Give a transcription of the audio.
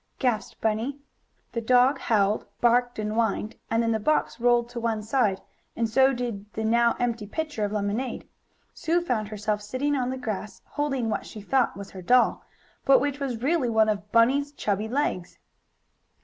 gasped Bunny. The dog howled, barked and whined, and then the box rolled to one side, and so did the now empty pitcher of lemonade. Sue found herself sitting on the grass, holding what she thought was her doll, but which was really one of Bunny's chubby legs.